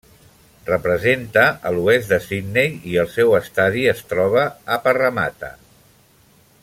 Representa a l'oest de Sydney i el seu estadi es troba a Parramatta.